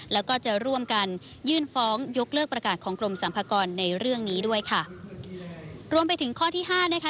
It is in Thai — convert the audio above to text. แล้วก็จะร่วมกันยื่นฟ้องยกเลิกประกาศของกรมสัมภากรในเรื่องนี้ด้วยค่ะรวมไปถึงข้อที่ห้านะคะ